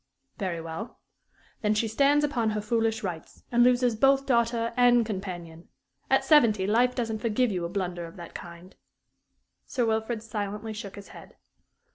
"Very well. Then she stands upon her foolish rights, and loses both daughter and companion. At seventy, life doesn't forgive you a blunder of that kind." Sir Wilfrid silently shook his head.